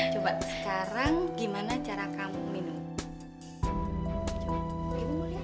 coba sekarang gimana cara kamu minum